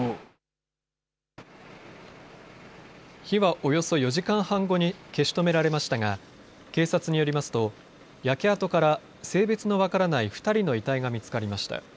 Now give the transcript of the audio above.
火はおよそ４時間半後に消し止められましたが警察によりますと焼け跡から性別の分からない２人の遺体が見つかりました。